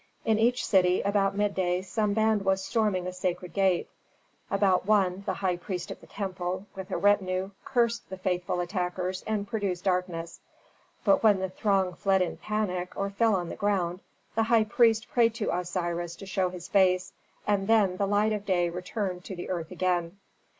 In each city about midday some band was storming a sacred gate. About one the high priest of the temple, with a retinue, cursed the faithless attackers and produced darkness. But when the throng fled in panic, or fell on the ground, the high priest prayed to Osiris to show his face, and then the light of day returned to the earth again.